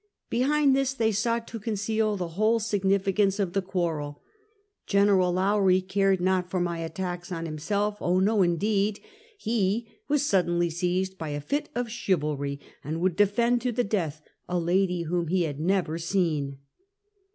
Bebind tbis tbey sougbt to conceal tbe wbole significance of tbe quar rel. Gen. Lowrie cared not for my attacks on bim self. Ob, no, indeed! He was suddenl}^ seized by a fit of cbivalry, and would defend to tbe deatb a lady wbom be bad never seen.